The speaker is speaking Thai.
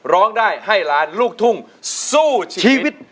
ร้องได้ให้ล้านลูกทุ่งสู้ชีวิต